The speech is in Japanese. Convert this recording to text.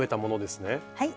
はい。